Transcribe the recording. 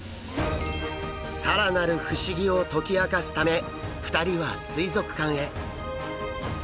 更なる不思議を解き明かすため２人は水族館へ。